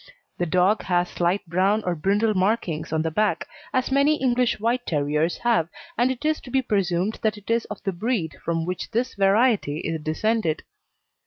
The dog has slight brown or brindle markings on the back, as many English White Terriers have, and it is to be presumed that it is of the breed from which this variety is descended.